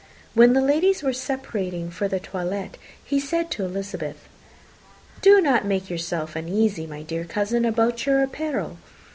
When the ladies were separating for the toilette, he said to Elizabeth, "Do not make yourself uneasy, my dear cousin, about your apparel.